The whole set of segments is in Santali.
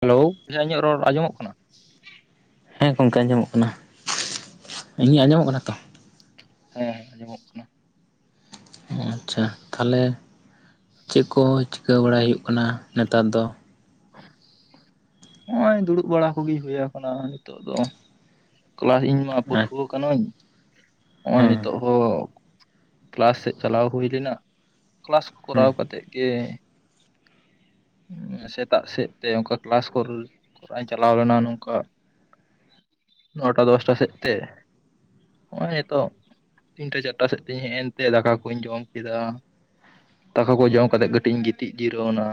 ᱦᱮᱞᱳ, ᱦᱮᱸ ᱤᱧᱟᱹᱜ ᱨᱚᱲ ᱟᱸᱡᱚᱢᱚᱜ ᱠᱟᱱᱟ? ᱦᱮᱸ ᱜᱚᱢᱠᱮ ᱟᱸᱡᱚᱢᱚᱜ ᱠᱟᱱᱟ, ᱤᱧᱟᱜ ᱟᱸᱡᱚᱢᱚᱜ ᱠᱟᱱᱟ ᱛᱚ? ᱦᱮᱸ, ᱦᱮᱸ, ᱟᱸᱡᱚᱢᱚᱜ ᱠᱟᱱᱟ᱾ ᱟᱪᱪᱷᱟ, ᱛᱟᱦᱚᱞᱮ ᱪᱮᱫ ᱠᱚ ᱪᱤᱠᱟᱹ ᱵᱟᱲᱟᱭ ᱦᱩᱭᱩᱜ ᱠᱟᱱᱟ, ᱱᱮᱛᱟᱨ ᱫᱚ? ᱦᱚᱸᱜᱼᱚᱭ ᱫᱩᱲᱩᱵ ᱵᱟᱲᱟ ᱠᱚᱜᱮ, ᱦᱩᱭ ᱠᱟᱱᱟ ᱱᱤᱛᱳᱜ ᱫᱚ᱾ ᱠᱞᱟ ᱤᱧ ᱢᱟ, ᱦᱮᱸ ᱯᱟᱹᱴᱷᱩᱣᱟᱹ ᱠᱟᱹᱱᱟᱹᱧ, ᱱᱚᱜᱼᱚᱭ ᱱᱤᱛᱚᱜ ᱦᱚᱸ ᱠᱞᱟᱥ ᱥᱮᱫ ᱪᱟᱞᱟᱣ ᱦᱩᱭ ᱞᱮᱱᱟ, ᱠᱞᱟᱥ ᱠᱚ ᱦᱮᱸ ᱠᱚᱨᱟᱣ ᱠᱟᱛᱮᱫ ᱜᱮ ᱥᱮᱛᱟᱜ ᱥᱮᱫ ᱛᱮ, ᱚᱱᱠᱟ ᱠᱞᱟᱥ ᱠᱚ ᱠᱚᱨ, ᱤᱧ ᱪᱟᱞᱟᱣ ᱞᱮᱱᱟ, ᱱᱚᱝᱠᱟ ᱱᱚᱴᱟ, ᱫᱚᱥᱴᱟ ᱥᱮᱫ ᱛᱮ? ᱱᱚᱜᱼᱚᱭ ᱱᱤᱛᱳᱜ, ᱛᱤᱱᱴᱟ ᱪᱟᱨᱴᱟ ᱥᱮᱫ ᱛᱤᱧ ᱦᱮᱡ ᱮᱱᱛᱮ, ᱫᱟᱠᱟ ᱠᱩᱧ ᱡᱚᱢ ᱠᱮᱫᱟ᱾ ᱫᱟᱠᱟ ᱠᱚ ᱡᱚᱢ ᱠᱟᱛᱮᱜ, ᱠᱟᱹᱴᱤᱡ ᱤᱧ ᱜᱤᱛᱤᱡ ᱡᱤᱨᱟᱹᱣ ᱱᱟ᱾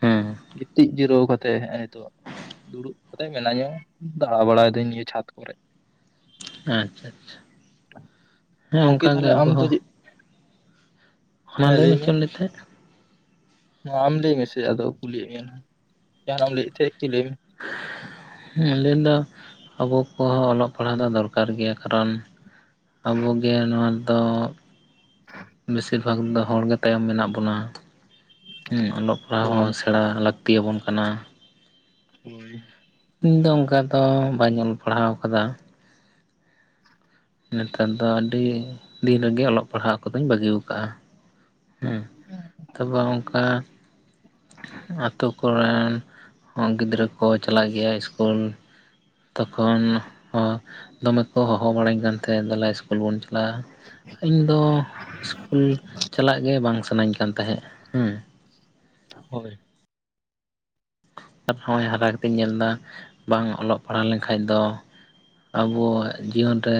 ᱦᱮᱸ ᱜᱤᱛᱤᱡ ᱡᱤᱨᱟᱹᱣ ᱠᱟᱛᱮ, ᱦᱮᱜ-ᱮ ᱱᱤᱛᱚᱜ ᱫᱩᱲᱩᱵ ᱠᱟᱛᱮᱜ ᱢᱮᱱᱟ ᱧᱟ᱾ ᱫᱟᱬᱟ ᱵᱟᱲᱟᱭ ᱮᱫᱟᱹᱧ, ᱱᱤᱭᱟᱹ ᱪᱷᱟᱫᱽ ᱠᱚᱨᱮ᱾ ᱟᱪᱪᱷᱟ, ᱟᱪᱪᱷᱟ, ᱦᱮᱸ ᱜᱚᱝᱠᱮ ᱚᱱᱠᱟ ᱜᱮ ᱛᱟᱦᱚᱞᱮ ᱟᱵᱚ ᱟᱢ ᱫᱚ ᱪᱮᱫ ᱦᱚᱸ᱾ ᱢᱟ ᱦᱮᱸ ᱞᱟᱹᱭ ᱢᱮ, ᱪᱮᱜᱮᱢ ᱞᱮᱭᱮᱫ ᱛᱟᱦᱮᱸᱫ? ᱢᱟ ᱟᱢ ᱞᱟᱹᱭ ᱢᱮᱥᱮ ᱟᱫᱚ, ᱠᱩᱞᱤᱭᱮᱫ ᱢᱮᱭᱟ ᱡᱟᱦᱟᱱᱟᱜ ᱮᱢ ᱞᱟᱹᱭᱮᱫ ᱛᱟᱦᱮᱸ, ᱠᱤ ᱞᱟᱹᱭ ᱢᱮ? ᱟᱞᱤᱧ ᱞᱟᱹᱭᱫᱟ, ᱟᱵᱚ ᱠᱚᱦᱚᱸ ᱚᱞᱚᱜ ᱯᱟᱲᱦᱟᱜ ᱫᱚ, ᱫᱚᱨᱠᱟᱨ ᱜᱮᱭᱟ ᱠᱟᱨᱚᱱ ᱟᱵᱚᱜᱮ, ᱱᱚᱶᱟ ᱫᱚ ᱵᱮᱥᱤᱨ ᱵᱷᱟᱜᱽ ᱫᱚ ᱦᱚᱲ ᱜᱮ, ᱛᱟᱭᱚᱢ ᱢᱮᱱᱟᱜ ᱵᱚᱱᱟ᱾ ᱦᱮᱸ ᱚᱞᱚᱜ ᱯᱟᱲᱦᱟᱣ ᱦᱳᱭ ᱦᱚᱸ, ᱥᱮᱬᱟ ᱞᱟᱹᱠᱛᱤ ᱭᱟᱵᱚᱱ ᱠᱟᱱᱟ? ᱦᱳᱭ, ᱤᱧᱫᱚ ᱚᱱᱠᱟ ᱫᱚ, ᱵᱟᱹᱧ ᱚᱞ ᱯᱟᱲᱦᱟᱣ ᱠᱟᱫᱟ᱾ ᱱᱮᱛᱟᱨ ᱫᱚ ᱟᱹᱰᱤ ᱫᱤᱱ ᱨᱮᱜᱮ, ᱚᱞᱚᱜ ᱯᱟᱲᱦᱟᱜ ᱠᱚᱫᱚᱧ ᱵᱟᱹᱜᱤ ᱠᱟᱜᱼᱟ᱾ ᱦᱮᱸ, ᱛᱟᱨᱯᱚᱨ ᱚᱝᱠᱟ ᱟᱛᱳ ᱠᱚᱨᱮᱱ ᱦᱚᱸ, ᱜᱤᱫᱽᱨᱟᱹ ᱠᱚ ᱪᱟᱞᱟᱜ ᱜᱮᱭᱟ ᱥᱠᱩᱞ? ᱛᱚᱠᱷᱚᱱ ᱦᱚ, ᱫᱚᱢᱮ ᱠᱚ ᱦᱚᱦᱚ ᱵᱟᱲᱟᱧ ᱠᱟᱱ ᱛᱟᱦᱮᱸᱫ, ᱫᱮᱞᱟ ᱥᱠᱩᱞ᱾ ᱥᱠᱩᱞ ᱵᱚᱱ ᱪᱟᱞᱟᱜᱼᱟ, ᱤᱧ ᱫᱚ ᱥᱤᱥᱠᱩᱞ ᱪᱟᱞᱟᱜ ᱜᱮ, ᱵᱟᱝ ᱥᱟᱱᱟᱧ ᱠᱟᱱ ᱛᱟᱦᱮᱸᱜ᱾ ᱦᱳᱭ, ᱟᱨ ᱱᱚᱜᱼᱭ ᱦᱟᱨᱟ ᱠᱟᱛᱮᱧ ᱧᱮᱞ ᱫᱟ, ᱵᱟᱝ ᱚᱞᱚᱜ ᱯᱟᱲᱦᱟᱣ ᱞᱮᱱᱠᱷᱟᱡ ᱫᱚ? ᱟᱵᱚᱣᱟᱜ ᱡᱤᱭᱚᱱ ᱨᱮ,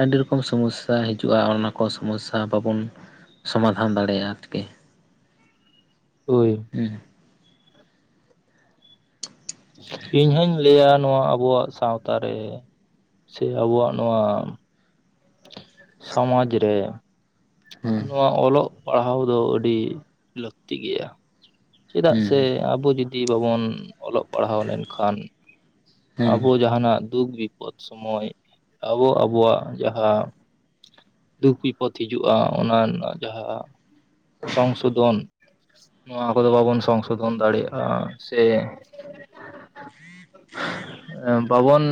ᱟᱹᱰᱤ ᱨᱚᱠᱚᱢ ᱥᱚᱢᱚᱥᱥᱟ᱾ ᱟᱠᱟ ᱦᱤᱡᱩᱜᱼᱟ ᱚᱱᱟ ᱠᱚ ᱥᱚᱢᱚᱥᱥᱟ, ᱵᱟᱵᱚᱱ ᱥᱚᱢᱟᱫᱷᱟᱱ ᱫᱟᱲᱮᱭᱟᱜᱼᱟ, ᱟᱨᱠᱤ [inaudible] ᱦᱳᱭ ᱦᱮᱸᱼᱼ ᱤᱧ ᱦᱚᱧ ᱞᱟᱹᱭᱟ ᱱᱚᱣᱟ ᱟᱵᱚᱣᱟᱜ ᱥᱟᱶᱛᱟ ᱨᱮ ᱥᱮ ᱟᱵᱚᱣᱟᱜ ᱱᱚᱣᱟᱼᱼ ᱥᱚᱢᱟᱡᱽ ᱨᱮ ᱦᱩᱸ ᱱᱚᱣᱟ ᱚᱞᱚᱜᱼᱼ ᱯᱟᱲᱦᱟᱣ ᱫᱚ ᱟᱹᱰᱤ ᱞᱟᱹᱠᱛᱤ ᱜᱮᱭᱟ᱾ ᱪᱮᱫᱟᱜ ᱥᱮ ᱦᱩᱸ ᱟᱵᱚ ᱡᱩᱫᱤ ᱵᱟᱵᱚᱱ ᱚᱞᱚᱜ ᱯᱟᱲᱦᱟᱣ ᱞᱮᱱ ᱠᱷᱟᱱᱼᱼ ᱦᱩᱸ ᱟᱵᱚ ᱡᱟᱦᱟ ᱱᱟᱜ ᱫᱩᱠ ᱵᱤᱯᱚᱫᱽ ᱥᱚᱢᱚᱭ ᱟᱵᱚ ᱟᱵᱚᱣᱟᱜ ᱡᱟᱦᱟᱸᱼᱼ ᱫᱩᱠ ᱵᱤᱯᱚᱫᱽ ᱦᱤᱡᱩᱜᱼᱟ ᱚᱱᱟ ᱨᱮᱱᱟᱜ ᱡᱟᱦᱟᱸ ᱥᱚᱝᱥᱳ ᱫᱷᱚᱱ ᱱᱚᱣᱟᱼᱼ ᱟᱵᱚ ᱵᱟᱵᱚᱱ ᱥᱚᱝ ᱥᱳᱷᱚᱱ ᱫᱟᱲᱮᱭᱟᱜᱼᱟ ᱥᱮᱼᱼ [unintelligible] ᱵᱟᱵᱚᱱ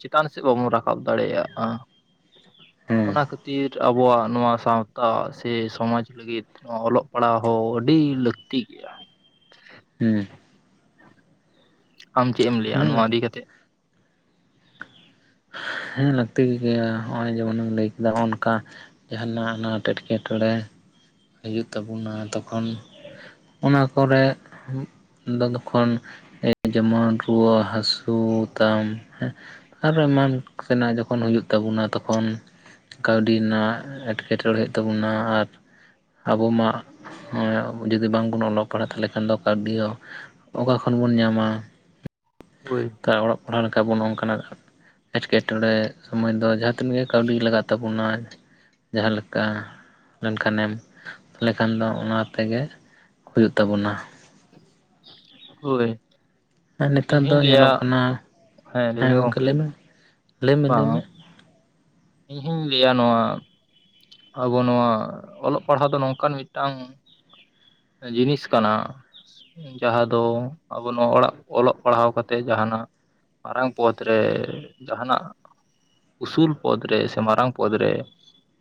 ᱪᱮᱛᱟᱱ ᱥᱮᱫ ᱵᱟᱵᱚᱱ ᱨᱟᱠᱟᱵ ᱫᱟᱲᱮᱭᱟᱜᱼᱟ᱾ ᱦᱩᱸ ᱚᱱᱟ ᱠᱷᱟᱹᱛᱤᱨ ᱟᱵᱚᱣᱟᱜ ᱱᱚᱣᱟ ᱥᱟᱶᱛᱟ ᱥᱮ ᱥᱚᱢᱟᱡᱽ ᱞᱟᱹᱜᱤᱫ ᱚᱞᱚᱜ ᱯᱟᱲᱦᱟᱣ ᱦᱚᱸ ᱟᱹᱰᱤ ᱞᱟᱹᱠᱼᱼ ᱛᱷᱤᱠ ᱜᱮᱭᱟ᱾ ᱦᱮᱸ ᱟᱢ ᱪᱮᱫ ᱮᱢ ᱞᱟᱹᱭᱟ ᱦᱩᱸ ᱱᱚᱣᱟ ᱤᱫᱤ ᱠᱟᱛᱮᱫ? ᱦᱮᱸ ᱞᱟᱹᱠᱛᱤ ᱜᱮᱭᱟ ᱱᱚᱜᱼᱚᱭ ᱡᱮᱢᱚᱱᱮᱢ ᱞᱟᱹᱭ ᱠᱮᱫᱟ ᱚᱱᱠᱟ ᱚᱱᱟ ᱮᱴᱠᱮ ᱴᱚᱬᱮ ᱦᱤᱡᱩᱜ ᱛᱟᱵᱚᱱᱟ ᱛᱚᱠᱷᱚᱱᱼᱼ [unintelligible] ᱚᱱᱟ ᱠᱚᱨᱮ ᱫᱚ ᱛᱚᱠᱷᱚᱱᱼᱼ ᱮ ᱡᱮᱢᱚᱱ ᱨᱩᱣᱟᱹ ᱦᱟᱹᱥᱩ ᱛᱟᱢ ᱦᱮᱸᱼᱼ ᱟᱨᱚ ᱮᱢᱟᱱ ᱛᱮᱱᱟᱜ ᱡᱚᱠᱷᱚᱱ ᱦᱩᱭᱩᱜ ᱛᱟᱵᱚᱱᱟ ᱛᱚᱠᱷᱚᱱᱼᱼ ᱠᱟᱹᱣᱰᱤ ᱨᱮᱱᱟᱜ ᱮᱴᱠᱮ ᱴᱚᱬᱮ ᱛᱟᱵᱚᱱᱟ ᱟᱨᱼᱼ ᱟᱵᱚ ᱢᱟ ᱡᱩᱫᱤ ᱵᱟᱝ ᱵᱚᱱ ᱚᱞᱚᱜᱼᱼ ᱯᱟᱲᱦᱟᱜ ᱛᱟᱦᱚᱞᱮ ᱠᱷᱟᱱ ᱫᱚ ᱠᱟᱹᱣᱰᱤ ᱦᱚᱸ ᱚᱠᱟ ᱠᱷᱚᱱ ᱵᱚᱱ ᱧᱟᱢᱟ᱾ ᱦᱳᱭ ᱛᱟ ᱚᱞᱚᱜ ᱯᱟᱲᱦᱟᱣ ᱞᱮᱠᱟ ᱵᱚᱱ ᱚᱱᱠᱟᱱᱟᱜ ᱮᱴᱠᱮᱴᱚᱬᱮ ᱥᱚᱢᱚᱭ ᱫᱚ ᱡᱟᱦᱟᱸ ᱛᱤᱱᱟᱜ ᱜᱮ ᱠᱟᱹᱣᱰᱤ ᱞᱟᱜ? ᱛᱟᱵᱩᱱᱟ ᱡᱟᱦᱟᱸ ᱞᱮᱠᱟ ᱞᱮᱱ ᱠᱷᱟᱱᱮᱢ ᱛᱟᱦᱚᱞᱮ ᱠᱷᱟᱱ ᱫᱚ ᱚᱱᱟ ᱛᱮᱜᱮ ᱦᱩᱭᱩᱜ ᱛᱟᱵᱚᱱᱟ᱾ ᱦᱳᱭᱻ ᱦᱮᱸ ᱱᱮᱛᱟᱨ ᱫᱚ ᱧᱮᱞᱚᱜ ᱠᱟᱱᱟ ᱦᱮᱸ ᱜᱚᱢᱠᱮ ᱞᱟᱹᱭ ᱢᱮ ᱞᱟᱹᱭᱢᱮ ᱵᱟᱝ ᱞᱟᱹᱭᱢᱮ? ᱤᱧ ᱦᱚᱧ ᱞᱟᱹᱭᱟ ᱱᱚᱣᱟᱼᱼ ᱟᱵᱚ ᱱᱚᱣᱟ ᱚᱞᱚᱜ ᱯᱟᱲᱦᱟᱣ ᱫᱚ ᱱᱚᱝᱠᱟᱱ ᱢᱤᱫᱴᱟᱝᱼᱼ ᱡᱤᱱᱤᱥ ᱠᱟᱱᱟ᱾ ᱡᱟᱦᱟᱸ ᱫᱚ ᱟᱵᱚ ᱱᱚᱣᱟ ᱚᱲᱟᱜ ᱚᱞᱚᱜ ᱯᱟᱲᱦᱟᱣ ᱠᱟᱛᱮᱫ ᱡᱟᱦᱟᱱᱟᱜᱼᱼ ᱢᱟᱨᱟᱝ ᱯᱚᱫ ᱨᱮ ᱡᱟᱦᱟ ᱱᱟᱜ ᱩᱥᱩᱞ ᱯᱚᱫ ᱨᱮ ᱥᱮ ᱢᱟᱨᱟᱝ ᱯᱚᱫ ᱨᱮᱼᱼ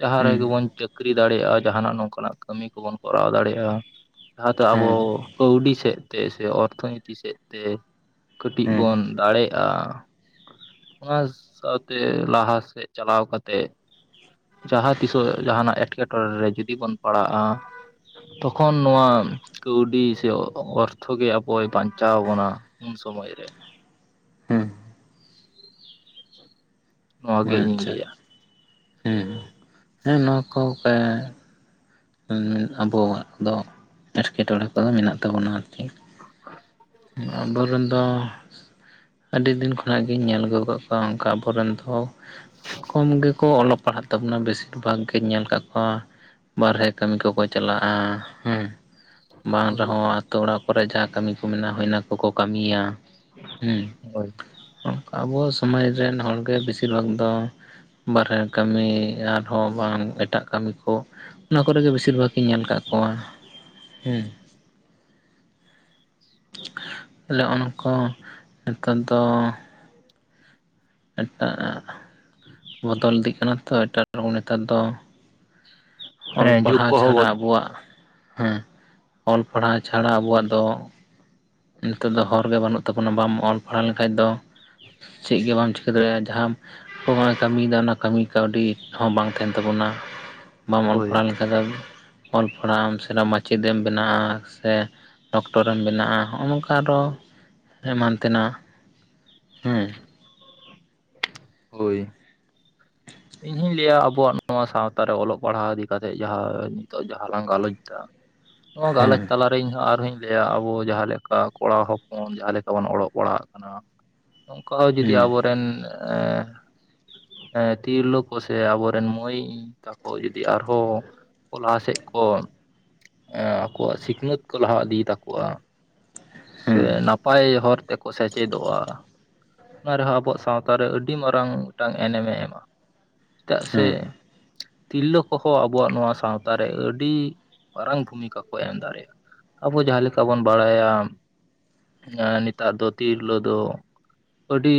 ᱡᱟᱦᱟᱸ ᱦᱩᱸ ᱨᱮᱜᱮ ᱵᱚᱱ ᱪᱟᱹᱠᱨᱤ ᱫᱟᱲᱮᱭᱟᱜᱼᱟ ᱡᱟᱦᱟᱱᱟᱜ ᱱᱚᱝᱠᱟᱱᱟᱜ ᱠᱟᱹᱢᱤ ᱠᱚᱵᱚᱱ ᱠᱚᱨᱟᱣ ᱫᱟᱲᱮ ᱭᱟᱜᱼᱟ᱾ ᱡᱟᱦᱟᱸ ᱫᱚ ᱟᱵᱚ ᱦᱮᱸ ᱠᱟᱹᱣᱰᱤ ᱥᱮᱫ ᱛᱮ ᱥᱮ ᱚᱨᱛᱷᱚᱱᱤᱛᱤ ᱥᱮᱫ ᱛᱮ‌ ᱠᱟᱹᱴᱤᱡ ᱦᱮᱸ ᱵᱚᱱ ᱫᱟᱲᱮᱜᱼᱼ ᱚᱱᱟ ᱥᱟᱶᱛᱮ ᱞᱟᱦᱟ ᱥᱮᱫ ᱪᱟᱞᱟᱣ ᱠᱟᱛᱮᱼᱼ ᱡᱟᱦᱟᱸ ᱛᱤᱥᱚᱜ ᱡᱟᱦᱟᱱᱟᱜ ᱮᱸᱴᱠᱮ ᱴᱚᱬᱮ ᱨᱮ ᱡᱩᱫᱤ ᱵᱚᱱ ᱯᱟᱲᱟᱜᱼᱟ᱾ ᱛᱚᱠᱷᱚᱱ ᱱᱚᱣᱟ ᱠᱟᱹᱣᱰᱤ ᱥᱮ ᱚᱨᱛᱷᱚ ᱜᱮ ᱟᱵᱚᱭ ᱵᱟᱧᱪᱟᱣ ᱵᱚᱱᱟᱼᱼ ᱩᱱ ᱥᱚᱢᱚᱭ ᱨᱮ ᱾ ᱦᱩᱸ ᱾ ᱱᱚᱣᱟ ᱜᱮ ᱤᱧ-ᱤᱧ ᱞᱟᱹᱭᱟ ᱾ ᱦᱩᱸ, ᱦᱮᱸ ᱱᱚᱣᱟ ᱠᱚ ᱠᱟ ᱟᱵᱚᱣᱟᱜ ᱫᱚ ᱮᱴᱠᱮᱴᱚᱬᱮ ᱠᱚᱫᱚ ᱢᱮᱱᱟᱜ ᱛᱟᱵᱚᱱᱟ ᱟᱨ ᱪᱮᱫ ᱾ ᱟᱵᱚᱨᱮᱱ ᱫᱚ ᱟᱹᱰᱤ ᱫᱤᱱ ᱠᱷᱚᱱᱟᱜ ᱜᱤᱧ ᱧᱮᱞ ᱟᱹᱜᱩ ᱟᱠᱟᱫ ᱠᱚᱣᱟ ᱚᱱᱠᱟ ᱟᱵᱚ ᱨᱮᱱ ᱫᱚ ᱠᱚᱢ ᱜᱮᱠᱚ ᱚᱞᱚᱜ ᱯᱟᱲᱦᱟᱜ ᱛᱟᱵᱩᱱᱟ ᱵᱮᱥᱤᱨ ᱵᱷᱟᱜᱽ ᱜᱮᱧ ᱧᱮᱞ ᱟᱠᱟᱫ ᱠᱚᱣᱟ ᱵᱟᱨᱦᱮ ᱠᱟᱹᱢᱤ ᱠᱚᱠᱚ ᱪᱟᱞᱟᱜᱼᱟ ᱦᱩᱸ ᱾ ᱵᱟᱝ ᱦᱳᱭ ᱨᱮᱦᱚᱸ ᱟᱛᱳ ᱚᱲᱟᱜ ᱠᱚᱨᱮ ᱡᱟᱦᱟᱸ ᱠᱟᱹᱢᱤ ᱠᱚ ᱢᱮᱱᱟᱜ ᱚᱱᱟ ᱠᱚᱠᱚ ᱠᱟᱹᱢᱤᱭᱟ ᱾ ᱦᱩᱸ, ᱦᱳᱭ ᱚᱱᱠᱟ ᱟᱵᱚ ᱥᱚᱢᱟᱡ ᱨᱮᱱ ᱦᱚᱲᱜᱮ ᱵᱮᱥᱤᱨ ᱵᱷᱟᱜᱽ ᱫᱚ ᱵᱟᱨᱦᱮ ᱠᱟᱹᱢᱤ ᱟᱨᱦᱚᱸ ᱵᱟᱝ ᱮᱴᱟᱜ ᱠᱟᱹᱢᱤ ᱠᱚ ᱚᱱᱟ ᱠᱚᱨᱮᱜᱮ ᱵᱮᱥᱤᱨ ᱵᱷᱟᱜᱽ ᱤᱧ ᱧᱮᱞ ᱟᱠᱟᱜ ᱠᱚᱣᱟ ᱦᱩᱸ ᱾ ᱛᱟᱦᱞᱮ ᱦᱚᱜᱼᱚ ᱱᱚᱝᱠᱟ ᱱᱮᱛᱟᱨ ᱫᱚ ᱮᱴᱟᱜ ᱵᱚᱫᱚᱞ ᱤᱫᱤᱜ ᱠᱟᱱᱟ ᱛᱚ, ᱮᱴᱟᱜ ᱨᱮᱠᱚᱢ ᱱᱮᱛᱟᱨ ᱫᱚ ᱾ ᱚᱞ ᱦᱮᱸ ᱡᱩᱜᱽ ᱯᱟᱲᱦᱟᱣ ᱠᱚᱦᱚᱸ ᱪᱷᱟᱰᱟ ᱵᱚᱫ ᱟᱵᱚᱣᱟᱜ ᱦᱮᱸ, ᱚᱞ ᱯᱟᱲᱦᱟᱣ ᱪᱷᱟᱲᱟ ᱟᱵᱚᱣᱟᱜ ᱫᱚ ᱱᱤᱛᱚᱜ ᱫᱚ ᱦᱚᱨ ᱜᱮ ᱵᱟᱹᱱᱩᱜ ᱛᱟᱵᱚᱱᱟ, ᱵᱟᱢ ᱚᱞ ᱯᱟᱲᱦᱟᱣ ᱞᱮᱠᱷᱟᱡ ᱫᱚ ᱪᱮᱫ ᱜᱮ ᱵᱟᱢ ᱪᱤᱠᱟᱹ ᱫᱟᱲᱮᱭᱟᱜᱼᱟ ᱾ ᱡᱟᱦᱟᱸᱢ ᱠᱟᱹᱢᱤᱭᱮᱫᱟ ᱚᱱᱟ ᱠᱟᱹᱢᱤ ᱠᱟᱹᱣᱰᱤ‌ ᱦᱚᱸ ᱵᱟᱝ ᱛᱟᱦᱮᱱ ᱛᱟᱵᱚᱱᱟ ᱵᱟᱢ ᱚᱞ ᱦᱳᱭ ᱯᱟᱲᱦᱟᱣ ᱞᱮᱱ ᱚᱞ ᱯᱟᱲᱦᱟᱜ ᱮᱢ ᱥᱮ [unintelligible] ᱢᱟᱪᱮᱫ ᱮᱢ ᱵᱮᱱᱟᱜᱼᱟ, ᱥᱮ ᱰᱚᱠᱴᱚᱨᱮᱢ ᱵᱮ ᱱᱚᱼᱚ ᱱᱚᱝᱠᱟ ᱟᱫᱚ ᱮᱢᱟᱱ ᱛᱮᱱᱟᱜ ᱦᱩᱸ ᱾ ᱦᱳᱭ᱾ [unintelligible] ᱤᱧ ᱦᱚᱧ ᱞᱟᱹᱭᱟ ᱟᱵᱚᱣᱟᱜ ᱱᱚᱣᱟ ᱥᱟᱶᱛᱟ ᱨᱮ ᱚᱞᱚᱜ ᱯᱟᱲᱦᱟᱣ ᱤᱫᱤ ᱠᱟᱛᱮ ᱡᱟᱦᱟᱸ ᱱᱤᱛᱚᱜ ᱡᱟᱦᱟᱸ ᱞᱟᱝ ᱜᱟᱞᱚᱪ ᱫᱟ ᱚ ᱦᱮᱸ ᱜᱟᱞᱚᱪ ᱛᱟᱞᱟ ᱤᱧᱦᱚ ᱟᱨᱦᱚᱧ ᱞᱟᱹᱭᱟ ᱟᱵᱚ ᱡᱟᱦᱟᱸ ᱞᱮᱠᱟ ᱠᱚᱲᱟ ᱦᱚᱯᱚᱱ ᱡᱟᱦᱟᱸ ᱞᱮᱠᱟ ᱵᱚᱱ ᱚᱞᱲᱜ ᱯᱟᱲᱦᱟᱜ ᱠᱟᱱᱟ, ᱚᱝᱠᱟ ᱦᱚᱸ ᱡᱩᱫᱤ ᱦᱮᱸ ᱟᱵᱚᱨᱮᱱ, ᱮᱸ ᱦᱮᱸ ᱛᱤᱨᱞᱟᱹ ᱠᱚ ᱥᱮ ᱟᱵᱚᱨᱮᱱ ᱢᱟᱹᱭ ᱛᱟᱠᱚ ᱡᱩᱫᱤ ᱟᱨᱦᱚᱸ ᱞᱟᱦᱟ ᱥᱮᱫ ᱠᱚ ᱟᱠᱚᱣᱟᱜ ᱥᱤᱠᱷᱱᱟᱹᱛ ᱠᱚ ᱞᱟᱦᱟ ᱤᱫᱤᱭ ᱛᱟᱠᱚᱣᱟ ᱥᱮ ᱦᱮᱸ ᱱᱟᱯᱟᱭ ᱦᱚᱨ ᱛᱮᱠᱚ ᱥᱮᱪᱮᱫᱚᱜᱼᱟ ᱚᱱᱟ ᱨᱮᱦᱚᱸ ᱟᱵᱚᱣᱟᱜ ᱥᱟᱶ ᱛᱟᱨᱮ ᱟᱹᱰᱤ ᱢᱟᱨᱟᱝ ᱢᱤᱫᱴᱟᱝ ᱮᱱᱮᱢ ᱮ ᱮᱢᱟ ᱾ ᱪᱮᱫᱟᱜ ᱥᱮ ᱦᱮᱸ ᱛᱤᱨᱞᱟᱹ ᱠᱚᱦᱚᱸ ᱟᱵᱚᱣᱟᱜ ᱱᱚᱣᱟ ᱥᱟᱶᱛᱟ ᱨᱮ ᱟᱹᱰᱤ ᱢᱟᱨᱟᱝ ᱵᱷᱩᱢᱤᱠᱟ ᱠᱚ ᱮᱢ ᱫᱟᱲᱮᱭᱟᱜᱼᱟ᱾ ᱟᱵᱚ ᱡᱟᱦᱟᱸ ᱞᱮᱠᱟ ᱵᱚᱱ ᱵᱟᱲᱟᱭᱟ ᱮᱸ ᱱᱮᱛᱟᱨ ᱫᱚ ᱛᱤᱨᱞᱟᱹ ᱫᱚ ᱟᱹᱰᱤ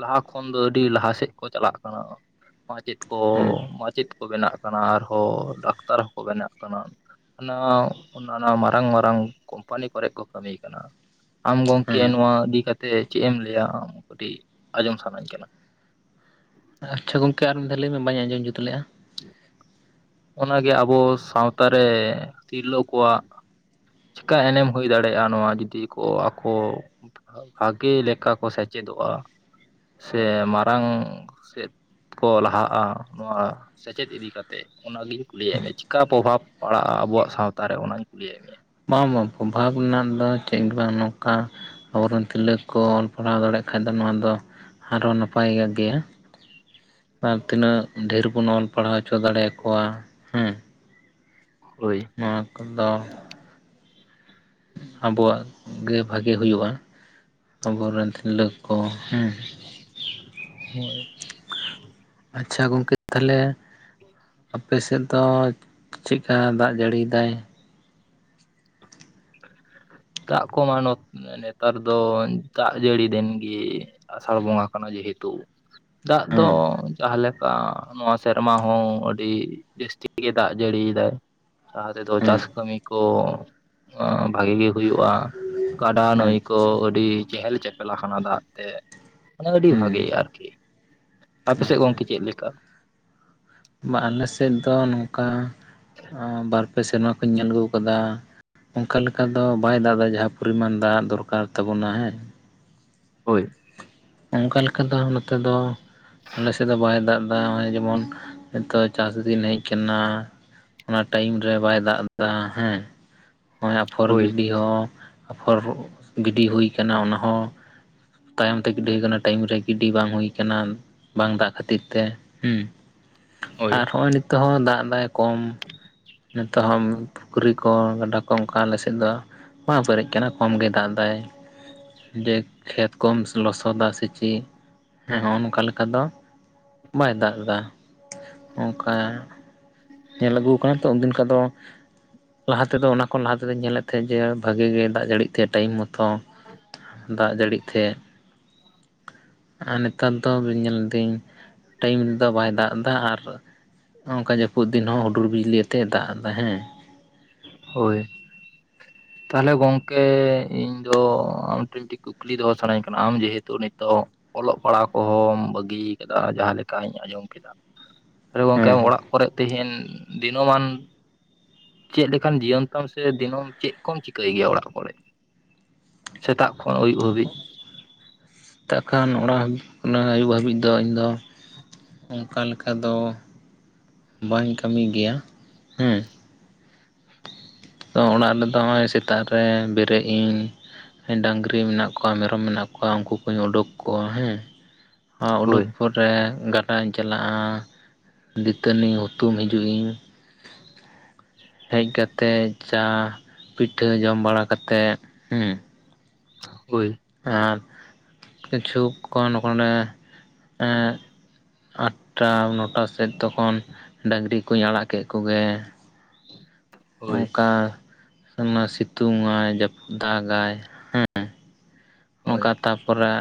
ᱞᱟᱦᱟ ᱠᱷᱚᱱ ᱫᱚ ᱟᱹᱰᱤ ᱞᱟᱦᱟ ᱥᱮᱫ ᱠᱚ ᱪᱟᱞᱟᱜ ᱠᱟᱱᱟ ᱾ ᱢᱟᱪᱮᱫ ᱠᱚ ᱦᱮᱸ ᱢᱟᱪᱮᱫ ᱠᱚ ᱵᱮᱱᱟᱜ ᱠᱟᱱᱟ, ᱟᱨᱦᱚᱸ ᱰᱟᱠᱛᱟᱨ ᱦᱚᱸᱠᱚ ᱵᱮᱱᱟᱜ ᱠᱟᱱᱟ ᱾ ᱦᱟᱱᱟ ᱚᱱᱟᱱᱟ ᱢᱟᱨᱟᱝ ᱢᱟᱨᱟᱝ ᱠᱩᱢᱯᱟᱱᱤ ᱠᱚᱨᱮᱜ ᱠᱚ ᱠᱟᱹᱢᱤ ᱠᱟᱱᱟ ᱾ ᱟᱢ ᱜᱚᱢᱠᱮ ᱦᱮᱸ ᱱᱚᱣᱟ ᱤᱫᱤ ᱠᱟᱛᱮᱫ ᱪᱮᱫ ᱮᱢ ᱞᱟᱹᱭᱟ ᱟᱢ? ᱠᱟᱹᱴᱤᱡ ᱟᱸᱡᱚᱢ ᱥᱟᱱᱟᱧ ᱠᱟᱱᱟ ᱾ ᱟᱪᱪᱷᱟ ᱜᱚᱝᱠᱮ ᱟᱨ ᱢᱤᱫ ᱫᱷᱟᱣ ᱞᱟᱹᱭ ᱢᱮ ᱵᱟᱹᱧ ᱟᱸᱡᱚᱢ ᱡᱩᱛ ᱞᱮᱜᱼᱟ ᱾ [unintelligible] ᱚᱱᱟ ᱜᱮ ᱟᱵᱚ ᱥᱟᱶᱛᱟ ᱨᱮ ᱛᱤᱨᱞᱟᱹ ᱠᱚᱣᱟᱜ ᱪᱮᱠᱟ ᱮᱱᱮᱢ ᱦᱩᱭ ᱫᱟᱲᱮᱜᱼᱟ? ᱱᱚᱣᱟ ᱡᱩᱫᱤ ᱠᱚ ᱟᱠᱚ ᱵᱷᱟᱜᱮ ᱞᱮᱠᱟ ᱠᱚ ᱥᱮᱪᱮᱫᱚᱜᱼᱟ, ᱥᱮ ᱢᱟᱨᱟᱝ ᱥᱮᱫ ᱠᱚ ᱞᱟᱦᱟᱜᱼᱟ ᱱᱚᱣᱟ ᱥᱮᱪᱮᱫ ᱤᱫᱤ ᱠᱟᱛᱮᱫ ᱾ ᱚᱱᱟ ᱞᱤᱭᱮᱧ ᱠᱩᱞᱤᱭᱮᱫ ᱢᱮᱭᱟ, ᱪᱮᱠᱟ ᱯᱨᱚᱵᱷᱟᱵᱽ ᱯᱟᱲᱟᱜᱼᱟ ᱟᱵᱚᱣᱟᱜ ᱥᱟᱶᱛᱟ ᱨᱮ, ᱚᱱᱟᱧ ᱠᱩᱞᱤᱭᱮᱫ ᱢᱮᱭᱟ ᱾ ᱵᱟᱝ ᱵᱟᱝ ᱯᱨᱚᱵᱷᱟᱵ ᱨᱮᱱᱟᱜ ᱫᱚ ᱪᱮᱫ ᱵᱟᱝ ᱱᱚᱝᱠᱟ ᱟᱵᱚᱨᱮᱱ ᱛᱤᱨᱞᱟᱹ ᱠᱚ ᱚᱞ-ᱯᱟᱲᱦᱟᱣ ᱫᱟᱲᱮᱭᱟᱜ ᱠᱷᱟᱡ ᱫᱚ ᱱᱚᱶᱟ ᱫᱚ ᱟᱨᱦᱚᱸ ᱱᱟᱯᱟᱭᱚᱜ ᱜᱮᱭᱟ᱾ ᱟᱨ ᱛᱤᱱᱟᱹᱜ ᱰᱷᱮᱨ ᱵᱚᱱ ᱚᱞ ᱯᱟᱲᱦᱟᱣ ᱦᱚᱪᱚ ᱫᱟᱲᱮᱭ ᱟᱠᱚᱣᱟ ᱦᱮᱸ ᱦᱚᱭ᱾ ᱱᱚᱣᱟ ᱠᱚᱫᱚ ᱟᱵᱚᱣᱟᱜ ᱜᱮ ᱵᱷᱟᱜᱮ ᱦᱩᱭᱩᱜᱼᱟ᱾ ᱟᱵᱚᱨᱮᱱ ᱛᱤᱨᱞᱟᱹ ᱠᱚ ᱦᱮᱸ ᱦᱚᱭ᱾ ᱟᱪᱪᱷᱟ ᱜᱚᱝᱠᱮ ᱛᱟᱦᱚᱞᱮ [inaudible] ᱟᱯᱮᱥᱮᱫ ᱫᱚ ᱪᱮᱫᱠᱟ ᱫᱟᱜ ᱡᱟᱹᱲᱤᱭ ᱮᱫᱟᱭ? ᱫᱟᱜ ᱠᱚ ᱢᱟ ᱱᱚᱛ ᱱᱮᱜ ᱱᱮᱛᱟᱨ ᱫᱚ ᱫᱟᱜ ᱡᱟᱹᱲᱤ ᱫᱤᱱ ᱜᱮ ᱟᱥᱟᱲ ᱵᱚᱸᱜᱟ ᱠᱟᱱᱟ ᱡᱮᱦᱮᱛᱩ᱾ ᱫᱟᱜ ᱫᱚ ᱡᱟᱦᱟᱸ ᱞᱮᱠᱟ ᱱᱚᱣᱟ ᱥᱮᱨᱢᱟ ᱦᱚᱸ ᱟᱹᱰᱤ ᱡᱟᱹᱥᱛᱤ ᱜᱮ ᱫᱟᱜ ᱡᱟᱹᱲᱤ ᱮᱫᱟᱭ᱾ ᱡᱟᱦᱟ ᱛᱮᱫᱚ ᱦᱮᱸ ᱪᱟᱥ ᱠᱟᱹᱢᱤ ᱠᱚ ᱮᱸ ᱵᱷᱟᱜᱤ ᱜᱮ ᱦᱩᱭᱩᱜᱼᱟ᱾ ᱜᱟᱰᱟ ᱱᱟᱹᱭ ᱠᱚ ᱟᱪᱪᱷᱟ ᱟᱹᱰᱤ ᱪᱮᱦᱮᱞ-ᱪᱮᱯᱮᱞ ᱟᱠᱟᱱᱟ ᱫᱟᱜ ᱛᱮ, ᱢᱟᱱᱮ ᱟᱹᱰᱤ ᱦᱮᱸ ᱵᱷᱟᱜᱮ ᱟᱨᱠᱤ᱾ ᱟᱯᱮᱥᱮᱫ ᱟᱪᱪᱷᱟ ᱜᱚᱝᱠᱮ ᱪᱮᱫ ᱞᱮᱠᱟ? ᱵᱟ ᱟᱞᱮ ᱥᱮᱫ ᱫᱚ ᱱᱚᱝᱠᱟ ᱟ... ᱵᱟᱨ ᱯᱮ ᱥᱮᱨᱢᱟ ᱠᱷᱚᱡ ᱤᱧ ᱧᱮᱞ ᱟᱹᱜᱩ ᱟᱠᱟᱫᱟ ᱚᱱᱠᱟ ᱞᱮᱠᱟ ᱫᱚ ᱵᱟᱭ ᱫᱟᱜ ᱮᱫᱟ ᱡᱟᱦᱟᱸ ᱯᱚᱨᱤᱢᱟᱱ ᱫᱟᱜ ᱫᱚᱨᱠᱟᱨ ᱛᱟᱵᱚᱱᱟ ᱦᱮᱸ᱾ ᱦᱚᱭ᱾ ᱚᱱᱠᱟ ᱞᱮᱠᱟ ᱫᱚ ᱦᱟᱸᱜ ᱱᱚᱛᱮ ᱫᱚ ᱟᱞᱮᱥᱮᱫ ᱫᱚ ᱵᱟᱭ ᱫᱟᱜ ᱮᱫᱟᱭ ᱱᱚᱜᱼᱚᱭ ᱡᱮᱢᱚᱱ ᱱᱤᱛᱚᱜ ᱪᱟᱥ ᱫᱤᱱ ᱦᱮᱡ ᱟᱠᱟᱱᱟ ᱚᱱᱟ ᱴᱟᱭᱤᱢ ᱨᱮ ᱵᱟᱭ ᱫᱟᱜ ᱮᱫᱟ ᱦᱮᱸ᱾ ᱱᱚᱜ-ᱚᱭ ᱟᱯᱷᱚᱨ ᱦᱳᱭ ᱜᱤᱰᱤ ᱦᱚᱸ ᱟᱯᱷᱚᱨ [inaudible] ᱜᱤᱰᱤ ᱦᱩᱭ ᱟᱠᱟᱱᱟ ᱚᱱᱟ ᱦᱚᱸ ᱛᱟᱭᱚᱢ ᱛᱮ ᱜᱤᱰᱤ ᱦᱩᱭ ᱟᱠᱟᱱᱟ ᱴᱟᱭᱤᱢ ᱨᱮ ᱜᱤᱰᱤ ᱵᱟᱝ ᱦᱩᱭ ᱟᱠᱟᱱᱟ, ᱵᱟᱝ ᱫᱟᱜ ᱠᱷᱟᱹᱛᱤᱨ ᱛᱮ ᱦᱩᱸ᱾ ᱦᱳᱭ ᱟᱨ ᱦᱚᱸᱜᱼᱚᱭ ᱱᱤᱛᱳᱜ ᱦᱚᱸ ᱫᱟᱜ ᱮᱫᱟᱭ ᱠᱚᱢ ᱱᱤᱛᱚᱜ ᱦᱚᱸ ᱯᱩᱠᱷᱨᱤ ᱠᱚ ᱜᱟᱰᱟ ᱠᱚ ᱚᱝᱠᱟ ᱟᱞᱮ ᱥᱮᱫ ᱫᱚ ᱵᱟᱝ ᱯᱮᱨᱮᱡ ᱟᱠᱟᱱᱟ ᱠᱚᱢ ᱜᱮ ᱫᱟᱜ ᱮᱫᱟᱭ ᱡᱮ ᱠᱷᱮᱛ ᱠᱚᱢ ᱞᱚᱥᱚᱫᱟ ᱥᱮ ᱪᱮᱫ? ᱦᱮᱸ ᱦᱚᱸᱜᱼᱚ ᱱᱚᱝᱠᱟ ᱞᱮᱠᱟ ᱫᱚ ᱵᱟᱭ ᱫᱟᱜ ᱮᱫᱟ ᱚᱝᱠᱟ [inaudible] ᱧᱮᱞ ᱟᱹᱜᱩ ᱟᱠᱟᱱ ᱛᱚ ᱩᱱᱫᱤᱱ ᱠᱷᱚᱡ ᱫᱚ ᱞᱟᱦᱟ ᱛᱮᱫᱚ ᱚᱱᱟ ᱠᱷᱚᱱ ᱞᱟᱦᱟ ᱛᱮᱫᱚᱧ ᱧᱮᱞᱮᱫ ᱛᱟᱦᱮᱸᱜ ᱡᱮ ᱵᱷᱟᱜᱤ ᱜᱮ ᱫᱟᱜ ᱡᱟᱹᱲᱤᱜ ᱮᱫ ᱛᱟᱸᱦᱮᱫ ᱴᱟᱭᱤᱢ ᱢᱚᱛ ᱛᱚ ᱫᱟᱜ ᱡᱟᱹᱲᱤ ᱛᱮᱦᱮᱸᱫ ᱟᱨ ᱱᱮᱛᱟᱨ ᱫᱚ ᱵᱤᱱ ᱧᱮᱞ ᱤᱫᱤᱧ ᱴᱟᱭᱤᱢ ᱨᱮᱫᱚ ᱵᱟᱭ ᱫᱟᱜ ᱮᱫᱟ ᱟᱨ ᱱᱚᱜᱼᱚ ᱱᱚᱝᱠᱟ ᱡᱟᱹᱯᱩᱫ ᱫᱤᱱ ᱦᱚᱸ ᱦᱩᱰᱩᱨ ᱵᱤᱡᱞᱤ ᱟᱛᱮ ᱫᱟᱜ ᱮᱫᱟᱭ ᱦᱮᱸ ᱦᱚᱭ ᱛᱟᱦᱚᱞᱮ ᱜᱚᱝᱠᱮ ᱤᱧ ᱫᱚ ᱟᱢᱴᱷᱮᱱ ᱢᱤᱫᱴᱤᱡ ᱠᱩᱠᱞᱤ ᱫᱚᱦᱚ ᱥᱟᱱᱟᱧ ᱠᱟᱱᱟ ᱟᱢ ᱡᱮᱦᱮᱛᱩ ᱱᱤᱛᱚᱜ ᱚᱞᱚᱜ ᱯᱟᱲᱦᱟᱜ ᱠᱚᱦᱚᱸᱢ ᱵᱟᱹᱜᱤ ᱟᱠᱟᱫᱟ ᱡᱟᱦᱟᱸ ᱞᱮᱠᱟᱧ ᱟᱸᱡᱚᱢ ᱠᱮᱫᱟ ᱟᱫᱚ ᱜᱚᱢᱠᱮ ᱦᱮᱸ ᱟᱢ ᱚᱲᱟᱜ ᱠᱚᱨᱮ ᱛᱮᱦᱤᱱ ᱫᱤᱱᱚᱢᱟᱱ ᱪᱮᱫ ᱞᱮᱠᱟᱱ ᱡᱤᱭᱚᱱ ᱛᱟᱢ ᱥᱮ ᱫᱤᱱᱟᱹᱢ ᱪᱮᱫ ᱠᱚᱢ ᱪᱤᱠᱟᱹᱭ ᱜᱮᱭᱟ ᱚᱲᱟᱜ ᱠᱚᱨᱮ ᱥᱮᱛᱟᱜ ᱠᱷᱚᱱ ᱟᱹᱭᱩᱵ ᱦᱟᱹᱵᱤᱡ ᱛᱟᱜ ᱠᱷᱟᱱ ᱚᱲᱟᱜ ᱦᱟ. ᱵ..... ᱢᱟᱱᱮ ᱟᱹᱭᱩᱵ ᱦᱟᱹᱵᱤᱡ ᱫᱚ ᱤᱧ ᱫᱚ ᱚᱝᱠᱟ ᱞᱮᱠᱟ ᱫᱚ ᱵᱟᱹᱧ ᱠᱟᱹᱢᱤ ᱜᱮᱭᱟ ᱦᱮᱸ ᱛᱚ ᱚᱲᱟᱜ ᱨᱮᱫᱚ ᱦᱚᱸᱜᱼᱚᱭ ᱥᱮᱛᱟᱜ ᱨᱮ ᱵᱮᱨᱮᱫ ᱤᱧ ᱰᱟᱝᱨᱤ ᱢᱮᱱᱟᱜ ᱠᱚᱣᱟ ᱢᱮᱨᱚᱢ ᱢᱮᱱᱟᱜ ᱠᱚᱣᱟ ᱩᱱᱠᱩ ᱠᱩᱧ ᱩᱰᱩᱠ ᱠᱚᱣᱟ ᱦᱮᱸ, ᱩᱰᱩᱠ ᱦᱳᱭ ᱯᱚᱨᱮ ᱜᱟᱰᱟᱧ ᱪᱟᱞᱟᱜᱼᱟ ᱫᱤᱛᱟᱹᱱᱤ ᱦᱩᱛᱩᱢ ᱦᱤᱡᱩᱜ ᱤᱧ, [unintelligible] ᱦᱮᱡ ᱠᱟᱛᱮᱡ ᱪᱟ ᱯᱤᱴᱷᱟᱹ ᱡᱚᱢ ᱵᱟᱲᱟ ᱠᱟᱛᱮᱫ ᱦᱩᱸ ᱦᱳᱭ᱾ ᱟᱨ ᱠᱤᱪᱷᱩᱠ ᱠᱷᱚᱱ ᱯᱚᱨᱮ ᱮᱸ ᱟᱴᱴᱟ ᱱᱚᱴᱟ ᱥᱮᱫ ᱛᱚᱠᱷᱚᱱ ᱰᱟᱹᱝᱨᱤ ᱠᱚᱧ ᱟᱲᱟᱜ ᱠᱮᱫ ᱠᱚᱜᱮ ᱦᱳᱭ ᱚᱝᱠᱟ ᱥᱤᱛᱩᱝ ᱟᱭ ᱡᱟᱯ ᱫᱟᱜᱟᱭ, ᱦᱳᱭ ᱱᱚᱝᱠᱟ ᱛᱟᱯᱚᱨᱮ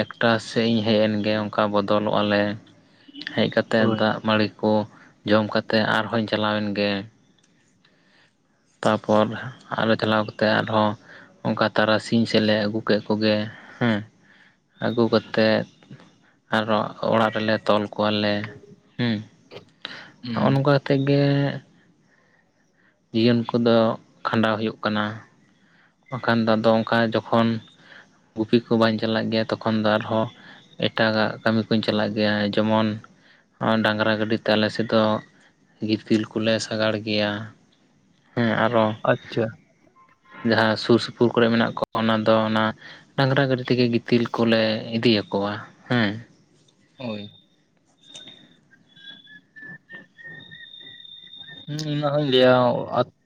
ᱮᱠᱴᱟ ᱥᱮᱜ ᱤᱧ ᱦᱮᱡ ᱮᱱᱜᱮ ᱚᱝᱠᱟ ᱵᱚᱫᱚᱞᱚᱜ ᱟᱞᱮ᱾ ᱦᱮᱡ ᱠᱟᱛᱮᱫ ᱦᱳᱭ ᱫᱟᱜ ᱢᱟᱹᱲᱤ ᱠᱚ ᱡᱚᱢ ᱠᱟᱛᱮ ᱟᱨᱦᱚᱧ ᱪᱟᱞᱟᱣᱮᱱ ᱜᱮ, ᱛᱟᱯᱚᱨ ᱟᱨᱚ ᱪᱟᱞᱟᱣ ᱠᱟᱛᱮ ᱟᱨᱦᱚᱸ ᱚᱝᱠᱟ ᱛᱟᱨᱟᱥᱤᱧ ᱥᱮᱫ ᱞᱮ ᱟᱹᱜᱩ ᱠᱮᱫ ᱠᱚᱜᱮ ᱦᱮᱸ, ᱟᱹᱜᱩ ᱠᱟᱛᱮᱫ ᱟᱨᱦᱚᱸ ᱚᱲᱟᱜ ᱨᱮᱞᱮ ᱛᱚᱞ ᱠᱚᱣᱟᱞᱮ ᱦᱩᱸ ᱱᱚᱜᱚᱭ ᱦᱩᱸ ᱱᱚᱝᱠᱟ ᱠᱟᱛᱮᱫ ᱜᱮ ᱡᱤᱭᱚᱱ ᱠᱚᱫᱚ ᱠᱷᱟᱸᱰᱟᱣ ᱦᱩᱭᱩᱜ ᱠᱟᱱᱟ᱾ ᱵᱟᱝᱠᱷᱟᱱ ᱫᱚ ᱟᱫᱚ ᱚᱝᱠᱟ ᱡᱚᱠᱷᱚᱱ ᱜᱩᱯᱤ ᱠᱚ ᱵᱟᱹᱧ ᱪᱟᱞᱟᱜ ᱜᱮᱭᱟ ᱛᱚᱠᱷᱚᱱ ᱫᱚ ᱟᱨᱦᱚᱸ ᱮᱴᱟᱜᱟᱜ ᱠᱟᱹᱢᱤ ᱠᱩᱧ ᱪᱟᱞᱟᱜ ᱜᱮᱭᱟ ᱡᱮᱢᱚᱱ ᱱᱚᱜᱼᱚᱭ ᱰᱟᱝᱨᱟ ᱜᱟᱹᱰᱤᱛᱮ ᱟᱞᱮ ᱥᱮᱫ ᱫᱚ ᱜᱤᱛᱤᱞ ᱠᱚᱞᱮ ᱥᱟᱜᱟᱲ ᱜᱮᱭᱟ ᱦᱮᱸ ᱟᱨᱦᱚᱸ ᱟᱪᱪᱷᱟ, ᱡᱟᱦᱟᱸ ᱥᱩᱨ ᱥᱩᱯᱩᱨ ᱠᱚᱨᱮ ᱢᱮᱱᱟᱜ ᱠᱚᱣᱟ ᱚᱱᱟ ᱫᱚ ᱚᱱᱟ ᱰᱟᱝᱨᱟ ᱜᱟᱹᱰᱤ ᱛᱮᱜᱮ ᱜᱤᱛᱤᱞ ᱠᱚᱞᱮ ᱤᱫᱤ ᱟᱠᱚᱣᱟ ᱦᱮᱸ, ᱦᱚᱭ᱾ ᱚᱱᱟ ᱦᱚᱧ ᱞᱟᱹᱭᱟ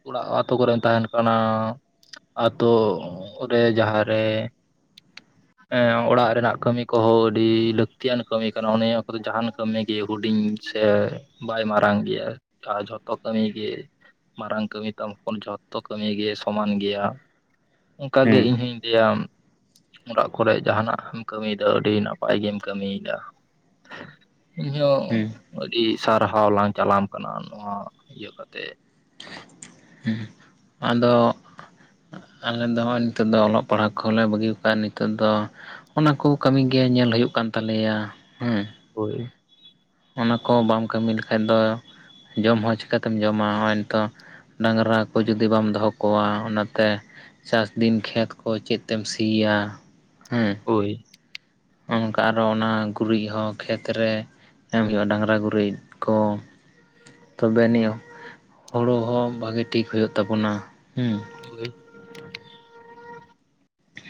ᱚᱲᱟᱜ ᱟᱛᱳ ᱠᱚᱨᱮᱢ ᱛᱟᱦᱮᱱ ᱠᱟᱱᱟ, ᱟᱛᱳ ᱨᱮ ᱡᱟᱦᱟ ᱨᱮ [unintelligible] ᱚᱲᱟᱜ ᱨᱮᱱᱟᱜ ᱠᱟᱹᱢᱤ ᱠᱚᱦᱚᱸ ᱟᱹᱰᱤ ᱞᱟᱹᱠᱛᱤᱭᱟᱱ ᱠᱟᱹᱢᱤ ᱠᱟᱱᱟ ᱚᱱᱮ ᱚᱱᱟ ᱠᱚᱫᱚ ᱡᱟᱦᱟᱱ ᱠᱟᱹᱢᱤ ᱜᱤ ᱦᱩᱰᱤᱧ ᱥᱮ ᱵᱟᱭ ᱢᱟᱨᱟᱝ ᱜᱮᱭᱟ ᱡᱷᱚ ᱡᱚᱛᱚ ᱠᱟᱹᱢᱤ ᱜᱮ ᱢᱟᱨᱟᱝ ᱠᱟᱹᱢᱤ ᱛᱟᱢ ᱡᱚᱛᱚ ᱠᱟᱹᱢᱤ ᱜᱮ ᱥᱚᱢᱟᱱ ᱜᱮᱭᱟ᱾ ᱚᱝᱠᱟᱜᱮ ᱦᱮᱸ ᱤᱧ ᱦᱚᱧ ᱞᱮᱭᱟ ᱚᱲᱟᱜ ᱠᱚᱨᱮ ᱡᱟᱦᱟᱱᱟᱜ ᱮᱢ ᱠᱟᱹᱢᱤᱭᱮᱫᱟ ᱟᱹᱰᱤ ᱱᱟᱯᱟᱭ ᱜᱮᱢ ᱠᱟᱹᱢᱤᱭᱮᱫᱟ᱾ ᱤᱧᱦᱚᱸ ᱦᱩᱸ, ᱟᱹᱰᱤ ᱥᱟᱨᱦᱟᱣ ᱞᱟᱝ ᱪᱟᱞᱟᱢ ᱠᱟᱱᱟ ᱱᱚᱣᱟ ᱤᱭᱟᱹ ᱠᱟᱛᱮᱜ ᱦᱮᱸ ᱟᱫᱚ ᱟᱞᱮ ᱫᱚ ᱱᱚᱜ-ᱚᱭ ᱱᱤᱛᱚᱜ ᱫᱚ ᱚᱞᱚᱜ ᱯᱟᱲᱦᱟᱜ ᱠᱚᱞᱮ ᱵᱟᱹᱜᱤ ᱠᱟᱜ-ᱟ, ᱱᱤᱛᱚᱜ ᱫᱚ ᱚᱱᱟ ᱠᱚ ᱠᱟᱹᱢᱤ ᱜᱮ ᱧᱮᱞ ᱦᱩᱭᱩᱜ ᱠᱟᱱ ᱛᱟᱞᱮᱭᱟ ᱦᱮᱸ, ᱦᱳᱭ᱾ ᱚᱱᱟ ᱠᱚ ᱵᱟᱢ ᱠᱟᱹᱢᱤ ᱞᱮᱠᱷᱟᱡ ᱫᱚ ᱡᱚᱢ ᱦᱚᱸ ᱪᱤᱠᱟᱛᱮᱢ ᱡᱚᱢᱟ᱾ ᱱᱚᱜ-ᱚᱭ ᱱᱤᱛᱚᱜ ᱰᱟᱝᱨᱟ ᱠᱚ ᱡᱩᱫᱤ ᱵᱟᱢ ᱫᱚᱦᱚ ᱠᱚᱣᱟ ᱚᱱᱟᱛᱮ ᱪᱟᱥᱫᱤᱱ ᱠᱷᱮᱛ ᱠᱚ ᱪᱮᱫ ᱛᱮᱢ ᱥᱤᱭᱟ? ᱦᱮᱸ ᱦᱳᱭ᱾ ᱚᱱᱠᱟ ᱟᱨᱚ ᱚᱱᱟ ᱜᱩᱨᱤᱡ ᱦᱚᱸ ᱠᱷᱮᱛ ᱨᱮ ᱮᱢ ᱦᱩᱭᱩᱜ-ᱟ, ᱰᱟᱝᱨᱟ ᱜᱩᱨᱤᱡ ᱠᱚ ᱛᱚᱵᱮ ᱟᱹᱱᱤᱡ ᱦᱳᱲᱚ ᱦᱚᱸ ᱵᱷᱟᱹᱜᱤ ᱴᱷᱤᱠ ᱦᱩᱭᱩᱜ ᱛᱟᱵᱚᱱᱟ, ᱦᱩᱸ ᱦᱳᱭ